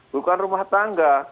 bukan rumah tangga